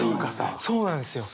そうなんですよ。